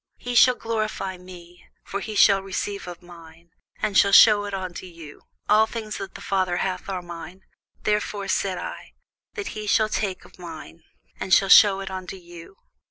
He shall glorify me: for he shall receive of mine, and shall shew it unto you. All things that the Father hath are mine: therefore said I, that he shall take of mine, and shall shew it unto you.